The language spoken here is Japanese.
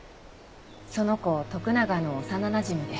その子徳永の幼なじみで。